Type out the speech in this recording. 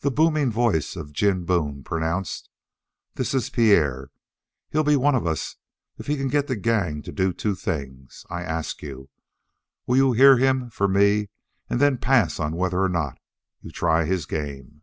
The booming voice of Jim Boone pronounced: "This is Pierre. He'll be one of us if he can get the gang to do two things. I ask you, will you hear him for me, and then pass on whether or not you try his game?"